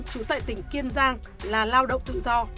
trú tại tỉnh kiên giang là lao động tự do